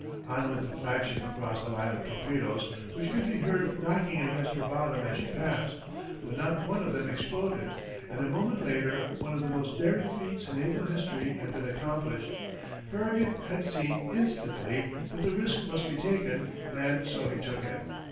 On went the flagship across the line of torpedoes, which could be heard knocking against her bottom as she passed, but not one of them exploded, and a moment later, one of the most daring feats in naval history had been accomplished. Farragut had seen, instantly, that the risk must be taken, and so he took it.